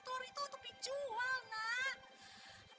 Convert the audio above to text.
telur itu untuk dijual nak